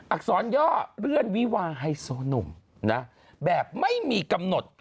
อักษรย่อเลื่อนวิวาไฮโซหนุ่มนะแบบไม่มีกำหนด